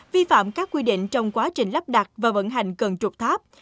vi phạm các quy định trong quá trình lắp đặt và vận hành cân trục tháp